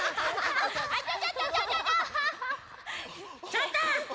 ちょっと！